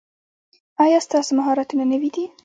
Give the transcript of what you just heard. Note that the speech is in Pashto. ایا ستاسو مهارتونه نوي دي؟